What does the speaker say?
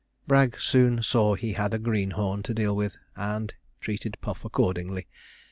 Bragg soon saw he had a greenhorn to deal with, and treated Puff accordingly.